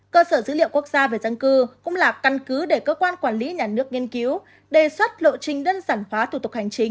cơ sở dữ liệu quốc gia về dân cư cũng là căn cứ để cơ quan quản lý nhà nước nghiên cứu đề xuất lộ trình đơn giản hóa thủ tục hành chính